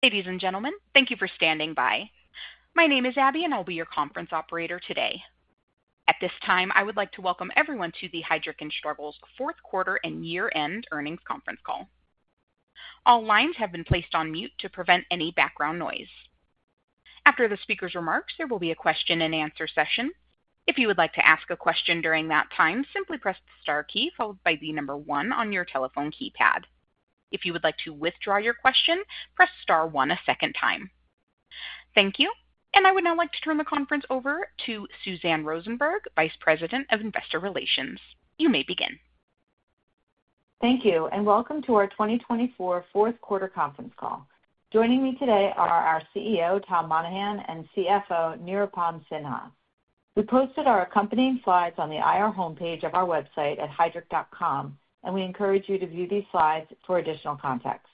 Ladies and gentlemen, thank you for standing by. My name is Abby, and I'll be your conference operator today. At this time, I would like to welcome everyone to the Heidrick & Struggles fourth quarter and year-end earnings conference call. All lines have been placed on mute to prevent any background noise. After the speaker's remarks, there will be a question-and-answer session. If you would like to ask a question during that time, simply press the star key followed by the number one on your telephone keypad. If you would like to withdraw your question, press star one a second time. Thank you. I would now like to turn the conference over to Suzanne Rosenberg, Vice President of Investor Relations. You may begin. Thank you, and welcome to our 2024 fourth quarter conference call. Joining me today are our CEO, Tom Monahan, and CFO, Nirupam Sinha. We posted our accompanying slides on the IR homepage of our website at heidrick.com, and we encourage you to view these slides for additional context.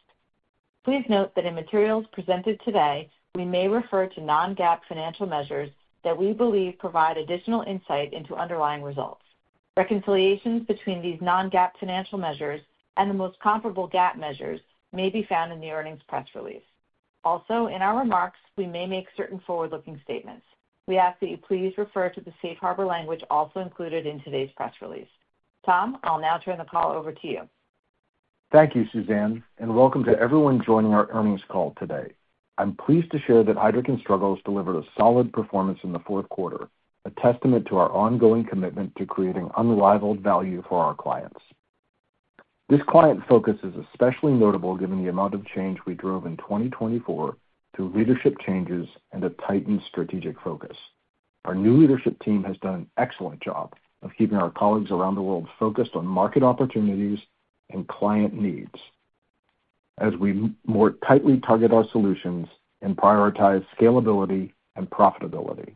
Please note that in materials presented today, we may refer to non-GAAP financial measures that we believe provide additional insight into underlying results. Reconciliations between these non-GAAP financial measures and the most comparable GAAP measures may be found in the earnings press release. Also, in our remarks, we may make certain forward-looking statements. We ask that you please refer to the safe harbor language also included in today's press release. Tom, I'll now turn the call over to you. Thank you, Suzanne, and welcome to everyone joining our earnings call today. I'm pleased to share that Heidrick & Struggles delivered a solid performance in the fourth quarter, a testament to our ongoing commitment to creating unrivaled value for our clients. This client focus is especially notable given the amount of change we drove in 2024 through leadership changes and a tightened strategic focus. Our new leadership team has done an excellent job of keeping our colleagues around the world focused on market opportunities and client needs as we more tightly target our solutions and prioritize scalability and profitability.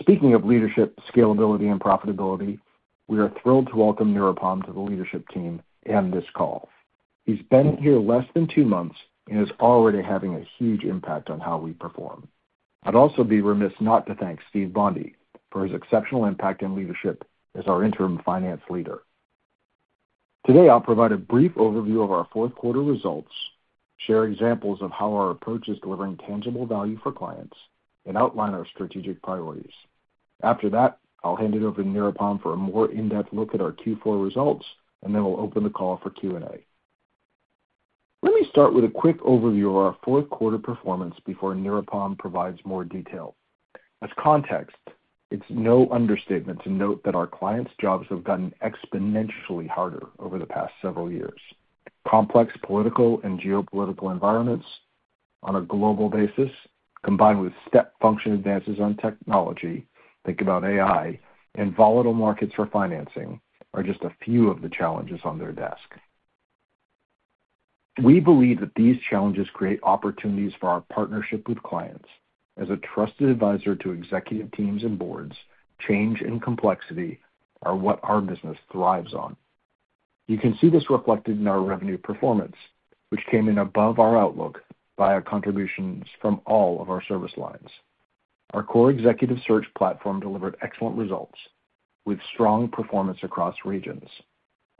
Speaking of leadership, scalability, and profitability, we are thrilled to welcome Nirupam to the leadership team and this call. He's been here less than two months and is already having a huge impact on how we perform. I'd also be remiss not to thank Steve Bondi for his exceptional impact in leadership as our interim finance leader. Today, I'll provide a brief overview of our fourth quarter results, share examples of how our approach is delivering tangible value for clients, and outline our strategic priorities. After that, I'll hand it over to Nirupam for a more in-depth look at our Q4 results, and then we'll open the call for Q&A. Let me start with a quick overview of our fourth quarter performance before Nirupam provides more detail. As context, it's no understatement to note that our clients' jobs have gotten exponentially harder over the past several years. Complex political and geopolitical environments on a global basis, combined with step function advances on technology, think about AI, and volatile markets for financing are just a few of the challenges on their desk. We believe that these challenges create opportunities for our partnership with clients. As a trusted advisor to executive teams and boards, change and complexity are what our business thrives on. You can see this reflected in our revenue performance, which came in above our outlook via contributions from all of our service lines. Our core Executive Search platform delivered excellent results with strong performance across regions.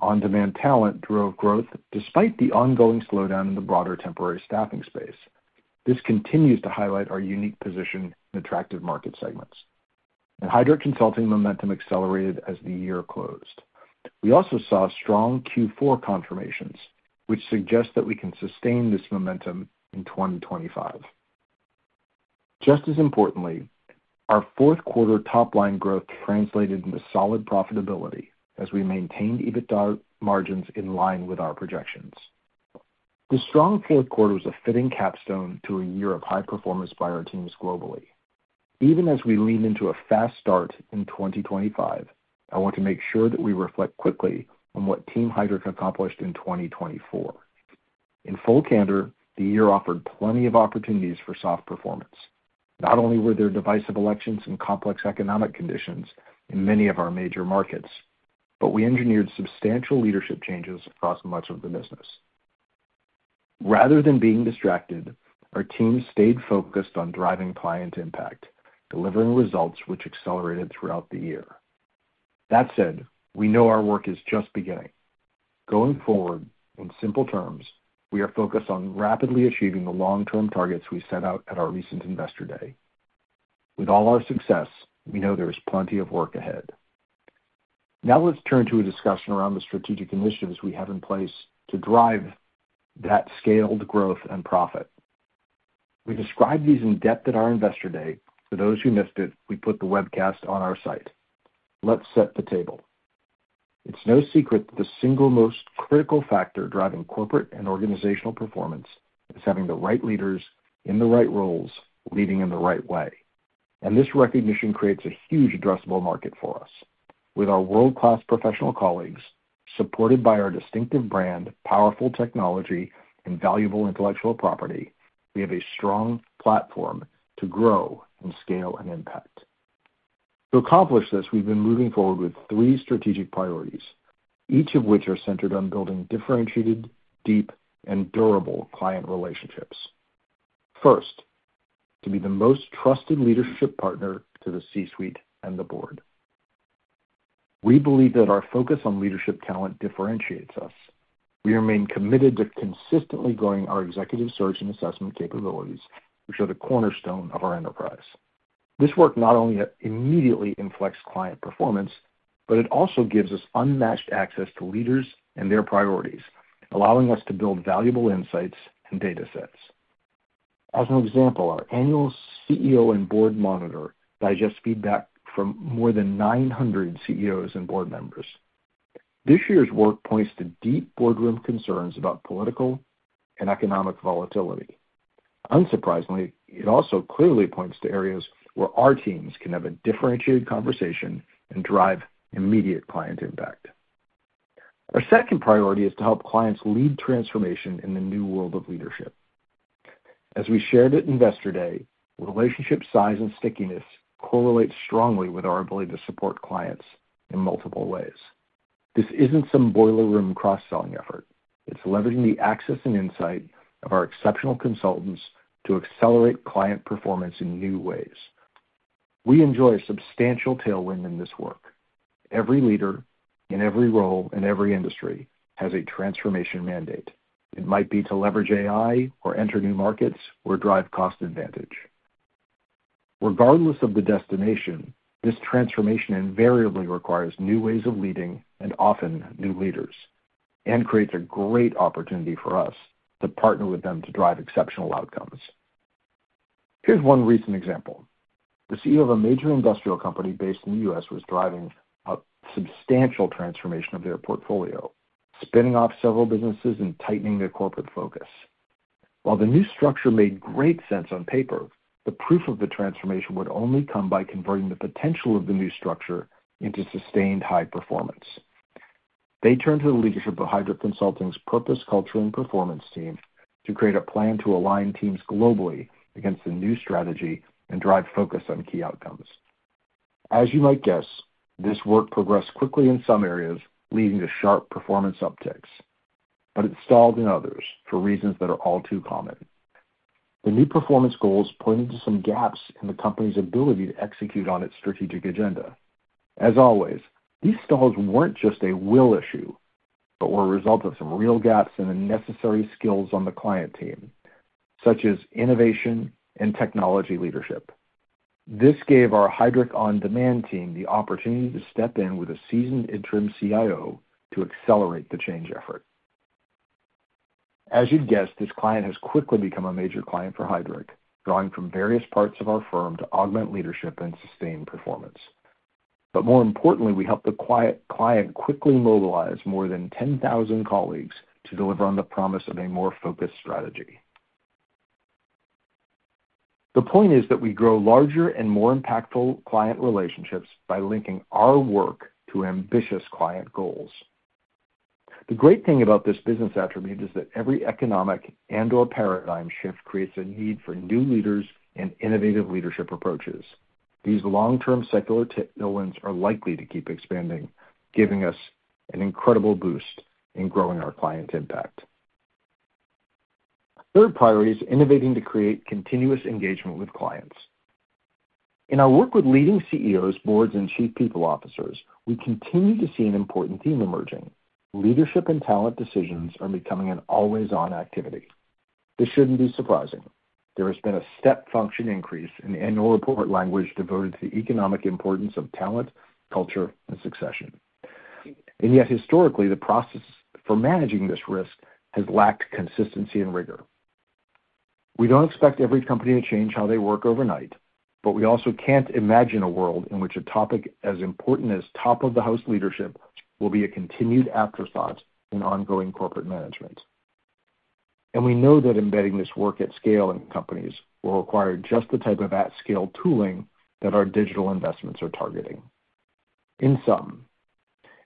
On-Demand Talent drove growth despite the ongoing slowdown in the broader temporary staffing space. This continues to highlight our unique position in attractive market segments. Heidrick Consulting's momentum accelerated as the year closed. We also saw strong Q4 confirmations, which suggests that we can sustain this momentum in 2025. Just as importantly, our fourth quarter top-line growth translated into solid profitability as we maintained EBITDA margins in line with our projections. The strong fourth quarter was a fitting capstone to a year of high performance by our teams globally. Even as we lean into a fast start in 2025, I want to make sure that we reflect quickly on what Team Heidrick accomplished in 2024. In full candor, the year offered plenty of opportunities for soft performance. Not only were there divisive elections and complex economic conditions in many of our major markets, but we engineered substantial leadership changes across much of the business. Rather than being distracted, our team stayed focused on driving client impact, delivering results which accelerated throughout the year. That said, we know our work is just beginning. Going forward, in simple terms, we are focused on rapidly achieving the long-term targets we set out at our recent investor day. With all our success, we know there is plenty of work ahead. Now let's turn to a discussion around the strategic initiatives we have in place to drive that scaled growth and profit. We described these in depth at our investor day. For those who missed it, we put the webcast on our site. Let's set the table. It is no secret that the single most critical factor driving corporate and organizational performance is having the right leaders in the right roles leading in the right way. This recognition creates a huge addressable market for us. With our world-class professional colleagues, supported by our distinctive brand, powerful technology, and valuable intellectual property, we have a strong platform to grow and scale and impact. To accomplish this, we've been moving forward with three strategic priorities, each of which are centered on building differentiated, deep, and durable client relationships. First, to be the most trusted leadership partner to the C-suite and the board. We believe that our focus on leadership talent differentiates us. We remain committed to consistently growing our executive search and assessment capabilities, which are the cornerstone of our enterprise. This work not only immediately inflects client performance, but it also gives us unmatched access to leaders and their priorities, allowing us to build valuable insights and data sets. As an example, our annual CEO and Board Monitor digests feedback from more than 900 CEOs and board members. This year's work points to deep boardroom concerns about political and economic volatility. Unsurprisingly, it also clearly points to areas where our teams can have a differentiated conversation and drive immediate client impact. Our second priority is to help clients lead transformation in the new world of leadership. As we shared at investor day, relationship size and stickiness correlate strongly with our ability to support clients in multiple ways. This isn't some boiler room cross-selling effort. It's leveraging the access and insight of our exceptional consultants to accelerate client performance in new ways. We enjoy a substantial tailwind in this work. Every leader in every role in every industry has a transformation mandate. It might be to leverage AI or enter new markets or drive cost advantage. Regardless of the destination, this transformation invariably requires new ways of leading and often new leaders and creates a great opportunity for us to partner with them to drive exceptional outcomes. Here's one recent example. The CEO of a major industrial company based in the US was driving a substantial transformation of their portfolio, spinning off several businesses and tightening their corporate focus. While the new structure made great sense on paper, the proof of the transformation would only come by converting the potential of the new structure into sustained high performance. They turned to the leadership of Heidrick & Struggles' purpose, culture, and performance team to create a plan to align teams globally against the new strategy and drive focus on key outcomes. As you might guess, this work progressed quickly in some areas, leading to sharp performance uptakes, but it stalled in others for reasons that are all too common. The new performance goals pointed to some gaps in the company's ability to execute on its strategic agenda. As always, these stalls were not just a will issue, but were a result of some real gaps in the necessary skills on the client team, such as innovation and technology leadership. This gave our Heidrick On-Demand team the opportunity to step in with a seasoned interim CIO to accelerate the change effort. As you'd guess, this client has quickly become a major client for Heidrick, drawing from various parts of our firm to augment leadership and sustain performance. More importantly, we helped the client quickly mobilize more than 10,000 colleagues to deliver on the promise of a more focused strategy. The point is that we grow larger and more impactful client relationships by linking our work to ambitious client goals. The great thing about this business attribute is that every economic and/or paradigm shift creates a need for new leaders and innovative leadership approaches. These long-term secular tailwinds are likely to keep expanding, giving us an incredible boost in growing our client impact. Third priority is innovating to create continuous engagement with clients. In our work with leading CEOs, boards, and chief people officers, we continue to see an important theme emerging. Leadership and talent decisions are becoming an always-on activity. This should not be surprising. There has been a step function increase in the annual report language devoted to the economic importance of talent, culture, and succession. Yet, historically, the process for managing this risk has lacked consistency and rigor. We do not expect every company to change how they work overnight, but we also cannot imagine a world in which a topic as important as top-of-the-house leadership will be a continued afterthought in ongoing corporate management. We know that embedding this work at scale in companies will require just the type of at-scale tooling that our digital investments are targeting. In sum,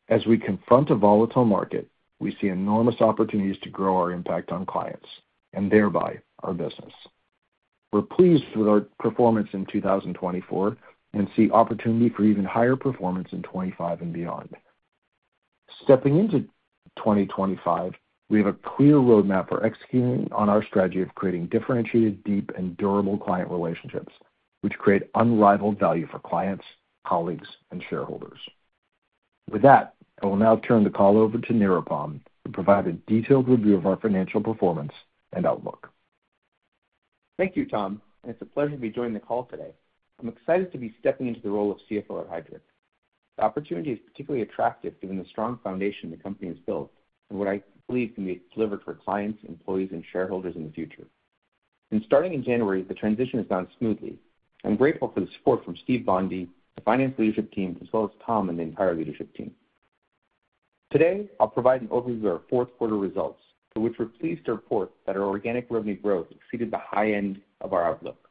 as we confront a volatile market, we see enormous opportunities to grow our impact on clients and thereby our business. We are pleased with our performance in 2024 and see opportunity for even higher performance in 2025 and beyond. Stepping into 2025, we have a clear roadmap for executing on our strategy of creating differentiated, deep, and durable client relationships, which create unrivaled value for clients, colleagues, and shareholders. With that, I will now turn the call over to Nirupam to provide a detailed review of our financial performance and outlook. Thank you, Tom. It's a pleasure to be joining the call today. I'm excited to be stepping into the role of CFO at Heidrick & Struggles. The opportunity is particularly attractive given the strong foundation the company has built and what I believe can be delivered for clients, employees, and shareholders in the future. Since starting in January, the transition has gone smoothly. I'm grateful for the support from Steve Bondi, the finance leadership team, as well as Tom and the entire leadership team. Today, I'll provide an overview of our fourth quarter results, for which we're pleased to report that our organic revenue growth exceeded the high end of our outlook.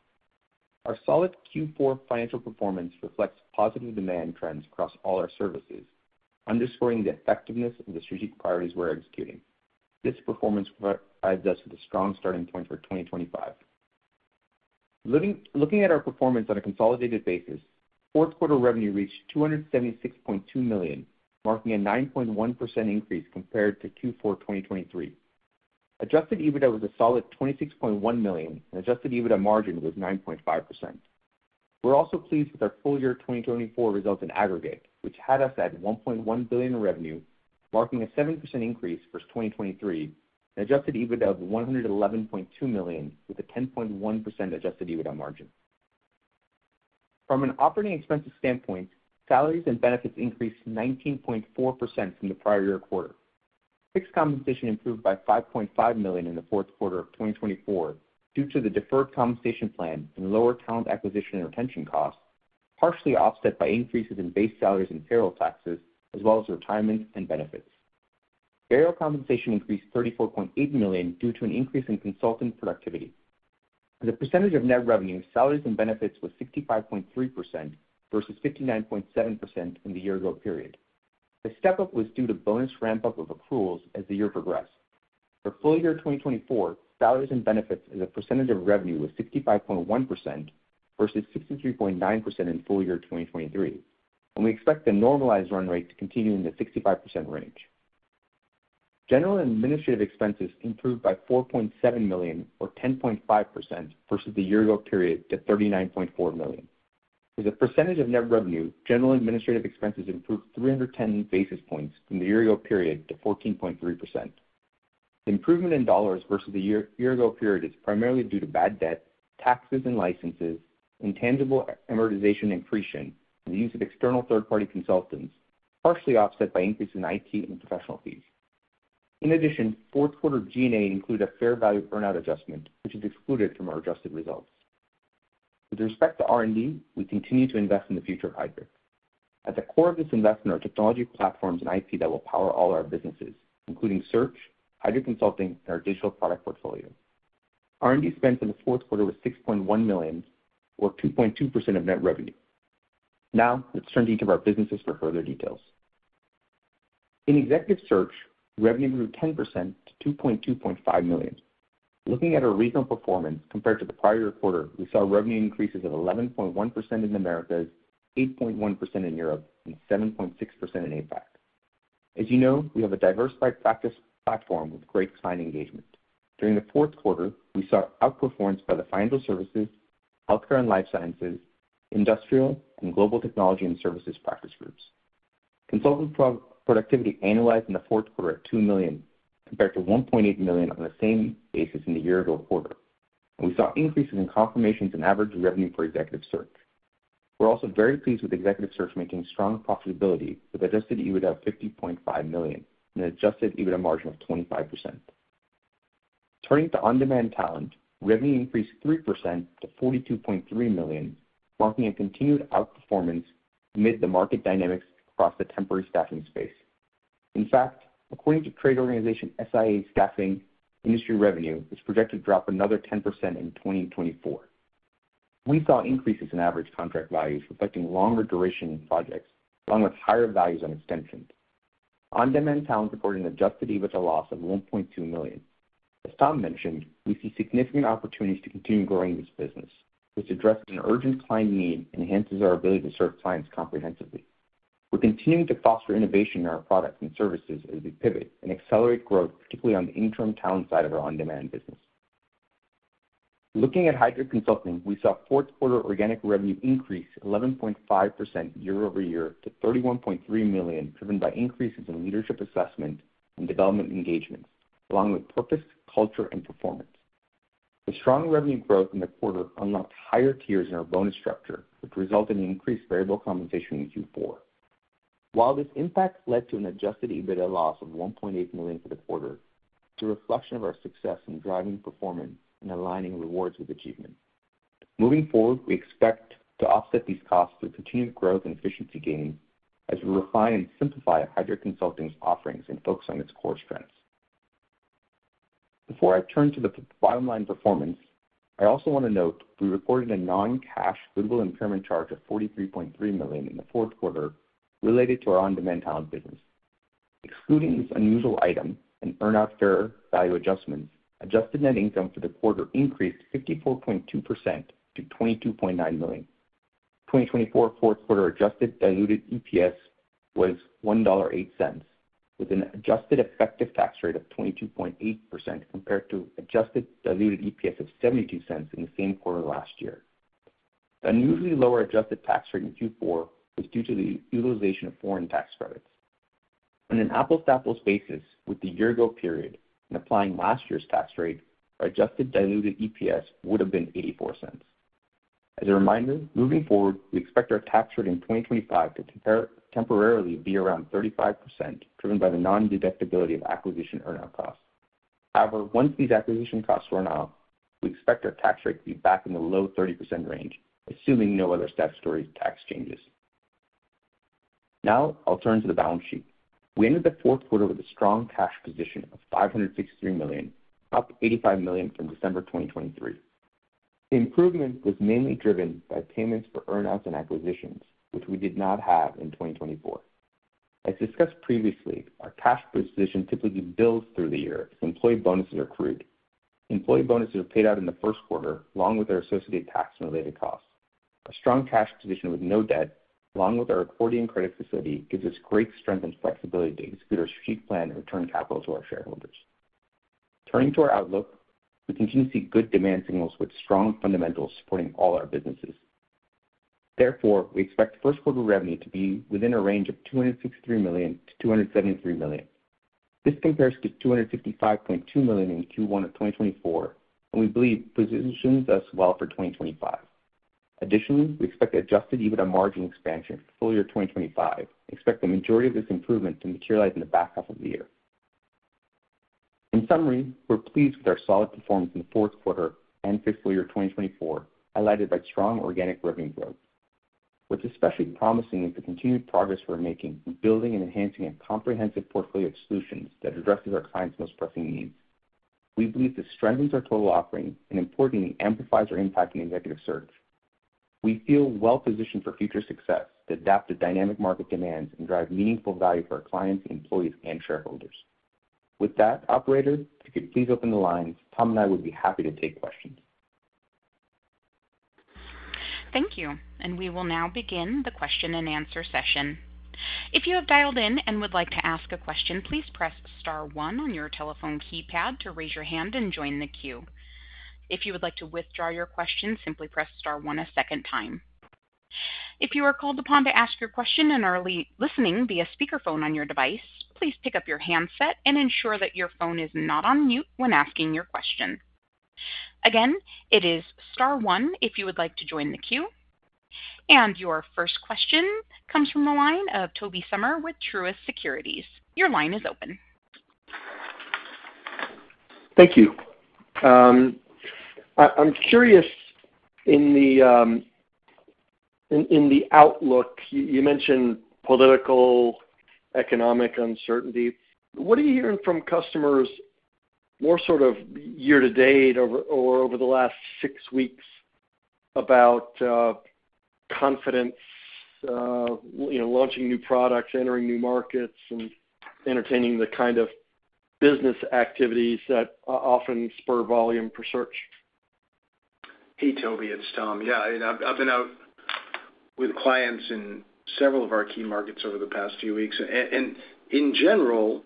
Our solid Q4 financial performance reflects positive demand trends across all our services, underscoring the effectiveness of the strategic priorities we're executing. This performance provides us with a strong starting point for 2025. Looking at our performance on a consolidated basis, fourth quarter revenue reached $276.2 million, marking a 9.1% increase compared to Q4 2023. Adjusted EBITDA was a solid $26.1 million, and adjusted EBITDA margin was 9.5%. We're also pleased with our full year 2024 results in aggregate, which had us at $1.1 billion in revenue, marking a 7% increase for 2023, and adjusted EBITDA of $111.2 million with a 10.1% adjusted EBITDA margin. From an operating expenses standpoint, salaries and benefits increased 19.4% from the prior year quarter. Fixed compensation improved by $5.5 million in the fourth quarter of 2024 due to the deferred compensation plan and lower talent acquisition and retention costs, partially offset by increases in base salaries and payroll taxes, as well as retirement and benefits. Payroll compensation increased $34.8 million due to an increase in consultant productivity. As a percentage of net revenue, salaries and benefits were 65.3% versus 59.7% in the year-to-year period. The step-up was due to bonus ramp-up of accruals as the year progressed. For full year 2024, salaries and benefits as a percentage of revenue were 65.1% versus 63.9% in full year 2023, and we expect the normalized run rate to continue in the 65% range. General administrative expenses improved by $4.7 million, or 10.5%, versus the year-to-year period to $39.4 million. As a percentage of net revenue, general administrative expenses improved 310 basis points from the year-to-year period to 14.3%. The improvement in dollars versus the year-to-year period is primarily due to bad debt, taxes and licenses, intangible amortization increase, and the use of external third-party consultants, partially offset by increases in IT and professional fees. In addition, fourth quarter G&A included a fair value burnout adjustment, which is excluded from our adjusted results. With respect to R&D, we continue to invest in the future of Heidrick. At the core of this investment are technology platforms and IT that will power all our businesses, including Search, Heidrick Consulting, and our digital product portfolio. R&D expense in the fourth quarter was $6.1 million, or 2.2% of net revenue. Now let's turn to each of our businesses for further details. In Executive Search, revenue grew 10% to $222.5 million. Looking at our regional performance compared to the prior quarter, we saw revenue increases of 11.1% in the Americas, 8.1% in Europe, and 7.6% in APAC. As you know, we have a diversified practice platform with great client engagement. During the fourth quarter, we saw outperformance by the financial services, healthcare and life sciences, industrial, and global technology and services practice groups. Consultant productivity annualized in the fourth quarter at $2 million compared to $1.8 million on the same basis in the year-to-year quarter. We saw increases in confirmations and average revenue per executive search. We're also very pleased with executive search making strong profitability with adjusted EBITDA of $50.5 million and an adjusted EBITDA margin of 25%. Turning to on-demand talent, revenue increased 3% to $42.3 million, marking a continued outperformance amid the market dynamics across the temporary staffing space. In fact, according to trade organization SIA Staffing, industry revenue is projected to drop another 10% in 2024. We saw increases in average contract values reflecting longer duration projects, along with higher values on extensions. On-demand talent reported an adjusted EBITDA loss of $1.2 million. As Tom mentioned, we see significant opportunities to continue growing this business, which addresses an urgent client need and enhances our ability to serve clients comprehensively. We're continuing to foster innovation in our products and services as we pivot and accelerate growth, particularly on the interim talent side of our on-demand business. Looking at Heidrick Consulting, we saw fourth quarter organic revenue increase 11.5% year-over-year to $31.3 million, driven by increases in leadership assessment and development engagements, along with purpose, culture, and performance. The strong revenue growth in the quarter unlocked higher tiers in our bonus structure, which resulted in increased variable compensation in Q4. While this impact led to an adjusted EBITDA loss of $1.8 million for the quarter, it's a reflection of our success in driving performance and aligning rewards with achievement. Moving forward, we expect to offset these costs through continued growth and efficiency gains as we refine and simplify Heidrick Consulting's offerings and focus on its core strengths. Before I turn to the bottom line performance, I also want to note we recorded a non-cash goodwill impairment charge of $43.3 million in the fourth quarter related to our On-Demand Talent business. Excluding this unusual item, and earn-out after fair value adjustments, adjusted net income for the quarter increased 54.2% to $22.9 million. 2024 fourth quarter adjusted diluted EPS was $1.08, with an adjusted effective tax rate of 22.8% compared to adjusted diluted EPS of $0.72 in the same quarter last year. The unusually lower adjusted tax rate in Q4 was due to the utilization of foreign tax credits. On an apples-to-apples basis with the year-to-year period and applying last year's tax rate, our adjusted diluted EPS would have been $0.84. As a reminder, moving forward, we expect our tax rate in 2025 to temporarily be around 35%, driven by the non-deductibility of acquisition earn-out costs. However, once these acquisition costs run out, we expect our tax rate to be back in the low 30% range, assuming no other statutory tax changes. Now I'll turn to the balance sheet. We ended the fourth quarter with a strong cash position of $563 million, up $85 million from December 2023. The improvement was mainly driven by payments for earn-outs and acquisitions, which we did not have in 2024. As discussed previously, our cash position typically builds through the year as employee bonuses accrued. Employee bonuses are paid out in the first quarter, along with their associated tax and related costs. A strong cash position with no debt, along with our accordion credit facility, gives us great strength and flexibility to execute our strategic plan and return capital to our shareholders. Turning to our outlook, we continue to see good demand signals with strong fundamentals supporting all our businesses. Therefore, we expect first quarter revenue to be within a range of $263 million-$273 million. This compares to $255.2 million in Q1 of 2024, and we believe positions us well for 2025. Additionally, we expect adjusted EBITDA margin expansion for full year 2025 and expect the majority of this improvement to materialize in the back half of the year. In summary, we're pleased with our solid performance in the fourth quarter and fiscal year 2024, highlighted by strong organic revenue growth. What's especially promising is the continued progress we're making in building and enhancing a comprehensive portfolio of solutions that addresses our clients' most pressing needs. We believe this strengthens our total offering and, importantly, amplifies our impact in executive search. We feel well-positioned for future success to adapt to dynamic market demands and drive meaningful value for our clients, employees, and shareholders. With that, Operator, if you could please open the lines, Tom and I would be happy to take questions. Thank you. We will now begin the question and answer session. If you have dialed in and would like to ask a question, please press star one on your telephone keypad to raise your hand and join the queue. If you would like to withdraw your question, simply press star one a second time. If you are called upon to ask your question and are listening via speakerphone on your device, please pick up your handset and ensure that your phone is not on mute when asking your question. Again, it is star one if you would like to join the queue. Your first question comes from the line of Tobey Sommer with Truist Securities. Your line is open. Thank you. I'm curious, in the outlook, you mentioned political, economic uncertainty. What are you hearing from customers more sort of year to date or over the last six weeks about confidence, launching new products, entering new markets, and entertaining the kind of business activities that often spur volume for search? Hey, Tobey, it's Tom. Yeah, I've been out with clients in several of our key markets over the past few weeks. In general,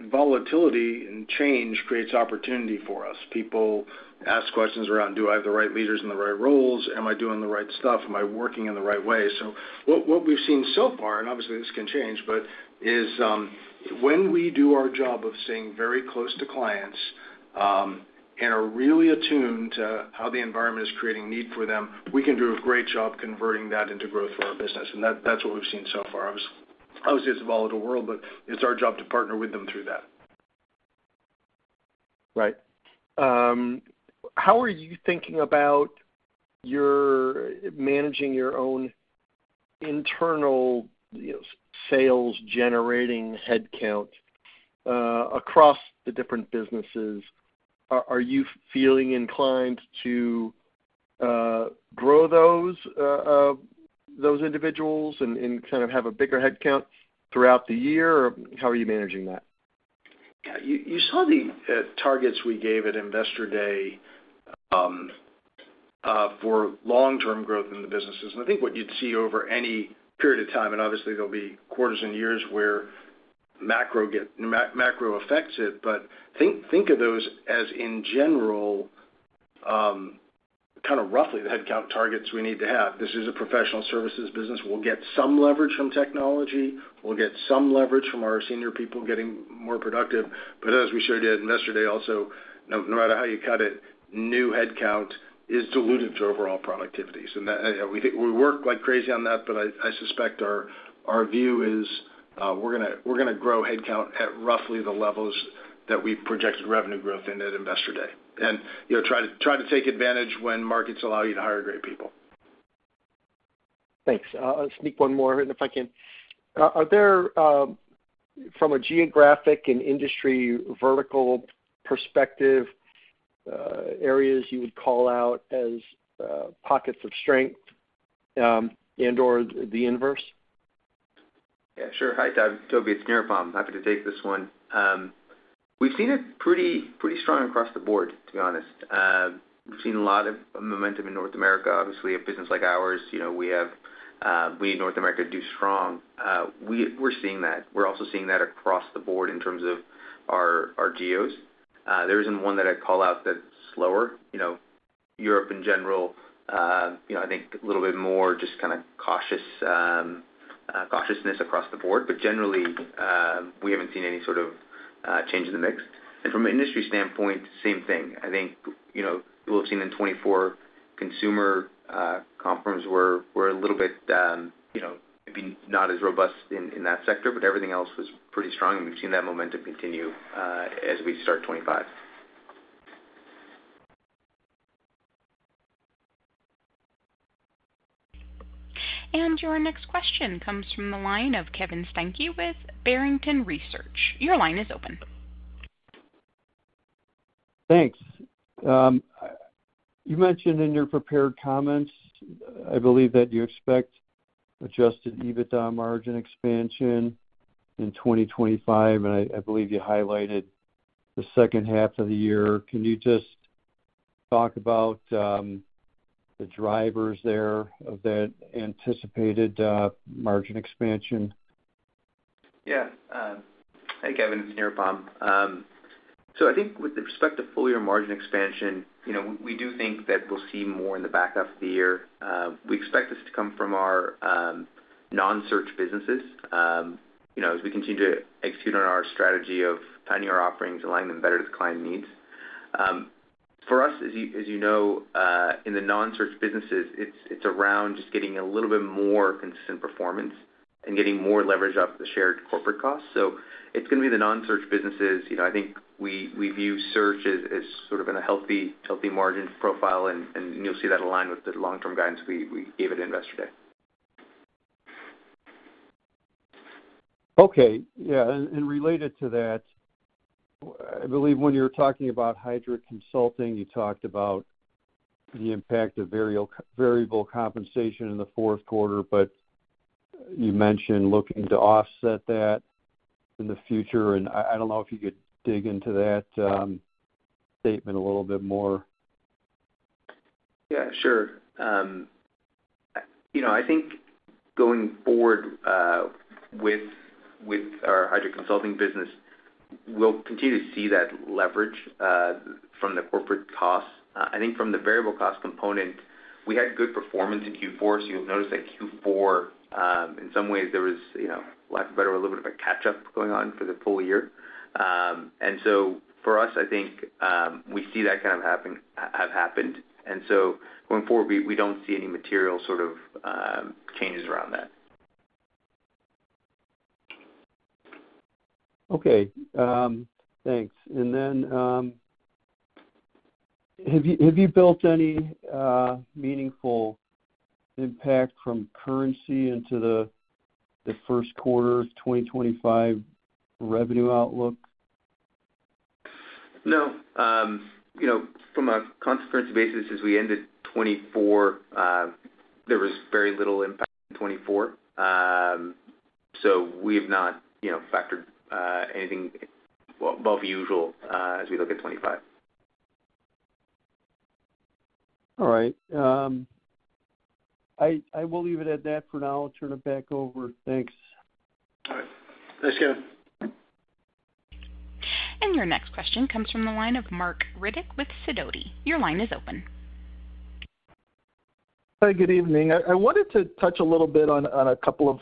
volatility and change creates opportunity for us. People ask questions around, "Do I have the right leaders in the right roles? Am I doing the right stuff? Am I working in the right way?" What we've seen so far, and obviously this can change, is when we do our job of staying very close to clients and are really attuned to how the environment is creating need for them, we can do a great job converting that into growth for our business. That's what we've seen so far. Obviously, it's a volatile world, but it's our job to partner with them through that. Right. How are you thinking about managing your own internal sales-generating headcount across the different businesses? Are you feeling inclined to grow those individuals and kind of have a bigger headcount throughout the year? Or how are you managing that? Yeah. You saw the targets we gave at investor day for long-term growth in the businesses. I think what you'd see over any period of time, and obviously there'll be quarters and years where macro affects it, but think of those as, in general, kind of roughly the headcount targets we need to have. This is a professional services business. We'll get some leverage from technology. We'll get some leverage from our senior people getting more productive. As we showed you at investor day also, no matter how you cut it, new headcount is diluted to overall productivity. We work like crazy on that, but I suspect our view is we're going to grow headcount at roughly the levels that we've projected revenue growth in at investor day. Try to take advantage when markets allow you to hire great people. Thanks. I'll sneak one more in if I can. Are there, from a geographic and industry vertical perspective, areas you would call out as pockets of strength and/or the inverse? Yeah, sure. Hi, Tobey. It's Nirupam. Happy to take this one. We've seen it pretty strong across the board, to be honest. We've seen a lot of momentum in North America. Obviously, a business like ours, we need North America to do strong. We're seeing that. We're also seeing that across the board in terms of our geos. There isn't one that I'd call out that's slower. Europe in general, I think a little bit more just kind of cautiousness across the board. Generally, we haven't seen any sort of change in the mix. From an industry standpoint, same thing. I think we'll have seen in 2024 consumer confidence, we're a little bit maybe not as robust in that sector, but everything else was pretty strong. We've seen that momentum continue as we start 2025. Your next question comes from the line of Kevin Steinke with Barrington Research. Your line is open. Thanks. You mentioned in your prepared comments, I believe, that you expect adjusted EBITDA margin expansion in 2025. I believe you highlighted the second half of the year. Can you just talk about the drivers there of that anticipated margin expansion? Yeah. Hi, Kevin. It's Nirupam. I think with respect to full year margin expansion, we do think that we'll see more in the back half of the year. We expect this to come from our non-search businesses as we continue to execute on our strategy of tightening our offerings and aligning them better to the client needs. For us, as you know, in the non-search businesses, it's around just getting a little bit more consistent performance and getting more leverage off the shared corporate costs. It's going to be the non-search businesses. I think we view search as sort of in a healthy margin profile, and you'll see that align with the long-term guidance we gave at investor day. Okay. Yeah. Related to that, I believe when you were talking about Heidrick Consulting, you talked about the impact of variable compensation in the fourth quarter, but you mentioned looking to offset that in the future. I do not know if you could dig into that statement a little bit more. Yeah, sure. I think going forward with our Heidrick Consulting business, we'll continue to see that leverage from the corporate costs. I think from the variable cost component, we had good performance in Q4. You’ll notice that Q4, in some ways, there was, for lack of a better word, a little bit of a catch-up going on for the full year. For us, I think we see that kind of have happened. Going forward, we don't see any material sort of changes around that. Okay. Thanks. Have you built any meaningful impact from currency into the first quarter of 2025 revenue outlook? No. From a constant currency basis, as we ended 2024, there was very little impact in 2024. We have not factored anything above usual as we look at 2025. All right. I will leave it at that for now. I'll turn it back over. Thanks. All right. Thanks, Kevin. Your next question comes from the line of Marc Riddick with Sidoti. Your line is open. Hi, good evening. I wanted to touch a little bit on a couple of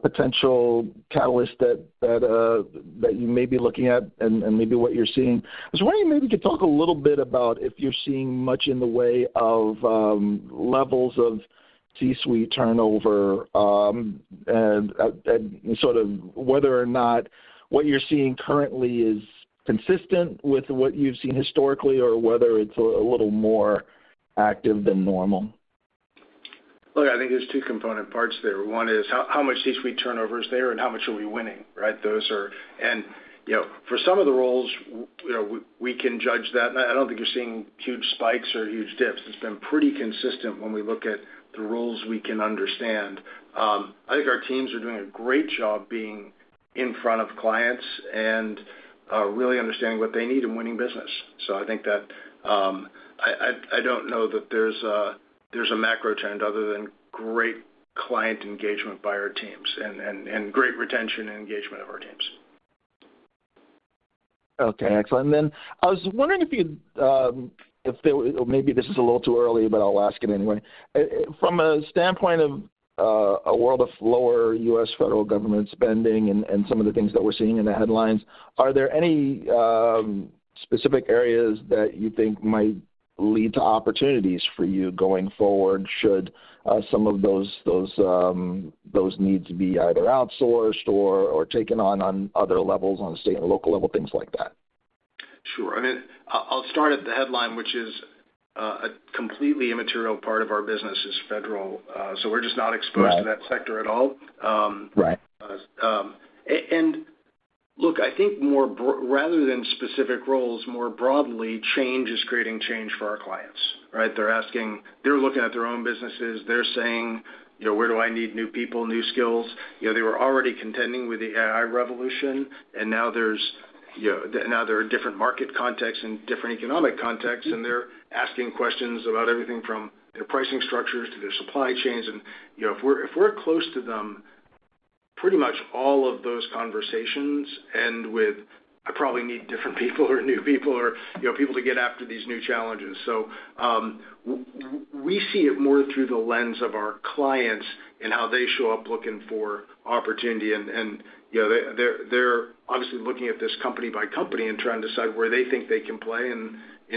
potential catalysts that you may be looking at and maybe what you're seeing. I was wondering if you maybe could talk a little bit about if you're seeing much in the way of levels of C-suite turnover and sort of whether or not what you're seeing currently is consistent with what you've seen historically or whether it's a little more active than normal. Look, I think there's two component parts there. One is how much C-suite turnover is there and how much are we winning, right? For some of the roles, we can judge that. I don't think you're seeing huge spikes or huge dips. It's been pretty consistent when we look at the roles we can understand. I think our teams are doing a great job being in front of clients and really understanding what they need and winning business. I don't know that there's a macro trend other than great client engagement by our teams and great retention and engagement of our teams. Okay. Excellent. I was wondering if you'd—maybe this is a little too early, but I'll ask it anyway. From a standpoint of a world of lower U.S. federal government spending and some of the things that we're seeing in the headlines, are there any specific areas that you think might lead to opportunities for you going forward should some of those needs be either outsourced or taken on on other levels, on state and local level, things like that? Sure. I mean, I'll start at the headline, which is a completely immaterial part of our business is federal. We are just not exposed to that sector at all. Look, I think rather than specific roles, more broadly, change is creating change for our clients, right? They are looking at their own businesses. They are saying, "Where do I need new people, new skills?" They were already contending with the AI revolution, and now there are different market contexts and different economic contexts. They are asking questions about everything from their pricing structures to their supply chains. If we are close to them, pretty much all of those conversations end with, "I probably need different people or new people or people to get after these new challenges." We see it more through the lens of our clients and how they show up looking for opportunity. They are obviously looking at this company by company and trying to decide where they think they can play.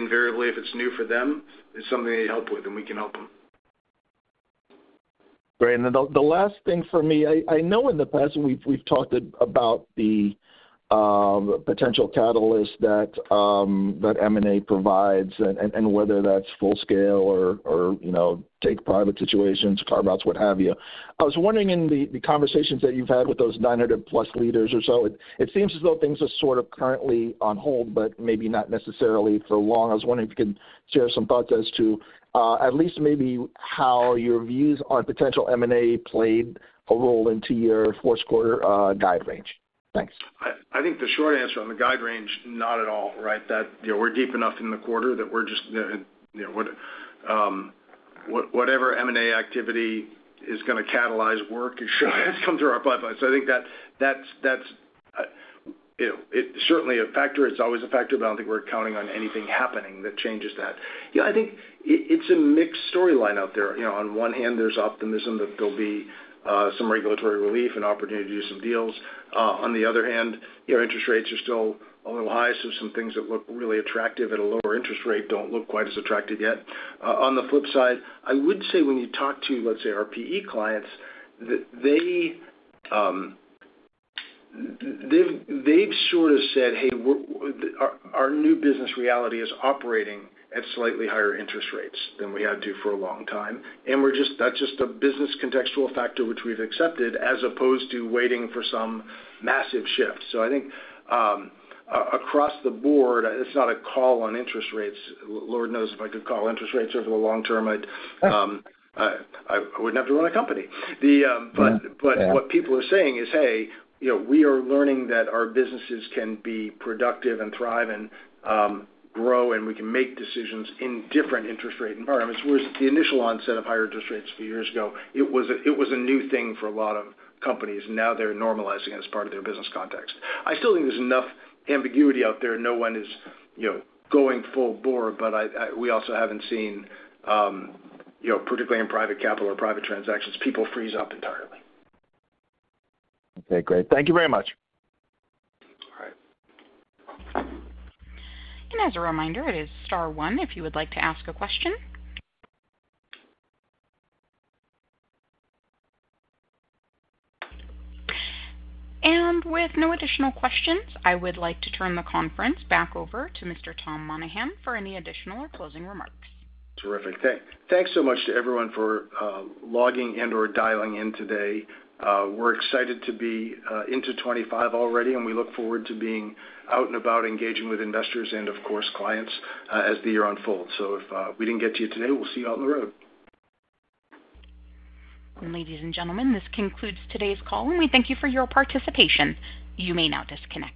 Invariably, if it is new for them, it is something they help with, and we can help them. Great. The last thing for me, I know in the past we've talked about the potential catalysts that M&A provides and whether that's full scale or take private situations, carve outs, what have you. I was wondering in the conversations that you've had with those 900+ leaders or so, it seems as though things are sort of currently on hold, but maybe not necessarily for long. I was wondering if you could share some thoughts as to at least maybe how your views on potential M&A played a role into your fourth quarter guide range. Thanks. I think the short answer on the guide range, not at all, right? We're deep enough in the quarter that we're just, whatever M&A activity is going to catalyze work has come through our pipeline. I think that's certainly a factor. It's always a factor, but I don't think we're counting on anything happening that changes that. I think it's a mixed storyline out there. On one hand, there's optimism that there'll be some regulatory relief and opportunity to do some deals. On the other hand, interest rates are still a little high, so some things that look really attractive at a lower interest rate don't look quite as attractive yet. On the flip side, I would say when you talk to, let's say, our PE clients, they've sort of said, "Hey, our new business reality is operating at slightly higher interest rates than we had to for a long time." That is just a business contextual factor, which we've accepted as opposed to waiting for some massive shift. I think across the board, it's not a call on interest rates. Lord knows if I could call interest rates over the long term, I wouldn't have to run a company. What people are saying is, "Hey, we are learning that our businesses can be productive and thrive and grow, and we can make decisions in different interest rate environments." Whereas the initial onset of higher interest rates a few years ago, it was a new thing for a lot of companies. Now they're normalizing it as part of their business context. I still think there's enough ambiguity out there. No one is going full bore, but we also haven't seen, particularly in private capital or private transactions, people freeze up entirely. Okay. Great. Thank you very much. All right. As a reminder, it is Star One if you would like to ask a question. With no additional questions, I would like to turn the conference back over to Mr. Tom Monahan for any additional or closing remarks. Terrific. Thanks so much to everyone for logging and/or dialing in today. We're excited to be into 2025 already, and we look forward to being out and about engaging with investors and, of course, clients as the year unfolds. If we didn't get to you today, we'll see you out on the road. Ladies and gentlemen, this concludes today's call, and we thank you for your participation. You may now disconnect.